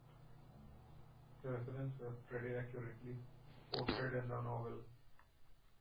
The residents were pretty accurately portrayed in the novel.